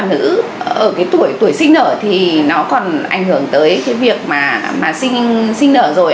nữ ở cái tuổi tuổi sinh nở thì nó còn ảnh hưởng tới cái việc mà sinh nở rồi